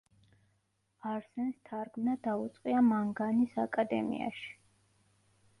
არსენს თარგმნა დაუწყია მანგანის აკადემიაში.